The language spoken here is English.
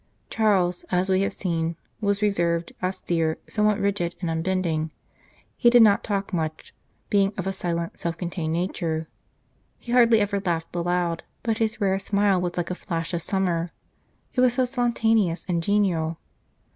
Chatles, as we have seen, was reserved, austere, somewhat rigid and unbending. He did not talk much, being of a silent, self contained nature ; he hardly ever laughed aloud, but his rare smile was 36 The Church of Peace like a flash of summer, it was so spontaneous and genial.